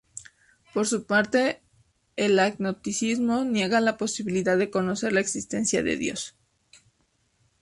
Por su parte, el agnosticismo niega la posibilidad de conocer la existencia de Dios.